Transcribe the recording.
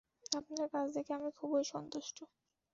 আপনার কাজ দেখে আমি খুবই সন্তুষ্ট।